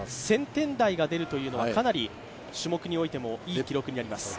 １０００点台が出るというのはかなりいい記録になります。